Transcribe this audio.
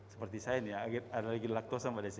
seperti saya nih alergi laktosa pada sih